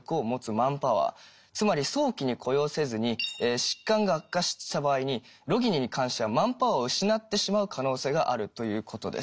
つまり早期に雇用せずに疾患が悪化した場合にロギニに関してはマンパワーを失ってしまう可能性があるということです。